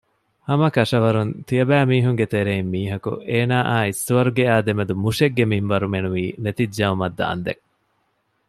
ހަމަކަށަވަރުން ތިޔަބައިމީހުންގެ ތެރެއިން މީހަކު އޭނާއާއި ސުވަރުގެއާ ދެމެދު މުށެއްގެ މިންވަރު މެނުވީ ނެތިއްޖައުމަށް ދާންދެން